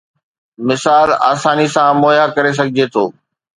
مثال آساني سان مهيا ڪري سگهجي ٿو